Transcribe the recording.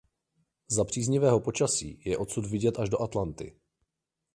Za příznivého počasí je odsud vidět až do Atlanty.